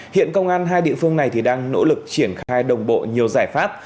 hiện công an hai địa phương này đang nỗ lực triển khai đồng bộ nhiều giải pháp